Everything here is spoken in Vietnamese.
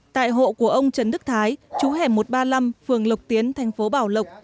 tại hộ của ông trần đức thái chú hẻm một trăm ba mươi năm phường lộc tiến thành phố bảo lộc